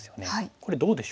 これどうでしょう？